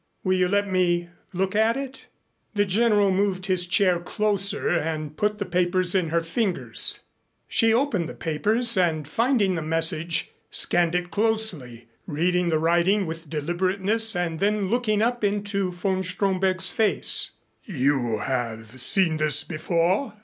Will you let me look at it?" The General moved his chair closer and put the papers in her fingers. She opened the papers and finding the message, scanned it closely, reading the writing with deliberateness and then looking up into von Stromberg's face. "You have seen this before?"